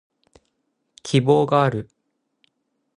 希望がある